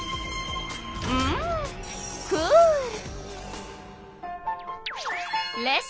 うんクール！